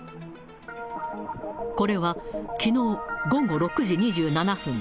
これはきのう午後６時２７分。